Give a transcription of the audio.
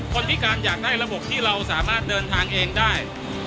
พิการอยากได้ระบบที่เราสามารถเดินทางเองได้